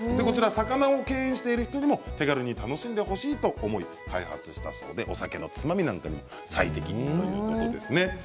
魚を敬遠している人も手軽に楽しんでほしいと思い開発したそうでお酒のおつまみなんかにも最適ということですね。